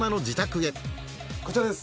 こちらです。